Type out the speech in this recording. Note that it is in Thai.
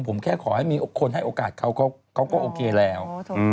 ผมแค่ขอให้มีคนให้โอกาสเขาเขาก็โอเคแล้ว